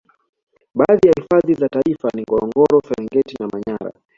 Baadhi ya hifadhi za taifa ni Ngorongoro Serengeti na Manyara